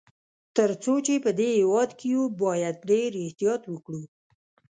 تر څو چي په دې هیواد کي یو، باید ډېر احتیاط وکړو.